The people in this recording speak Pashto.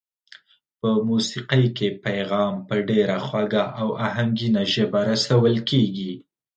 په موسېقۍ کې پیغام په ډېره خوږه او آهنګینه ژبه رسول کېږي.